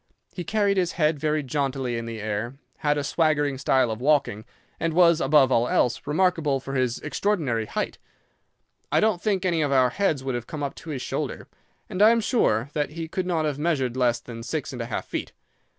He carried his head very jauntily in the air, had a swaggering style of walking, and was, above all else, remarkable for his extraordinary height. I don't think any of our heads would have come up to his shoulder, and I am sure that he could not have measured less than six and a half feet.